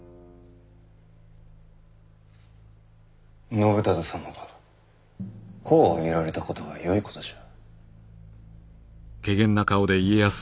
信忠様が功を挙げられたことはよいことじゃ。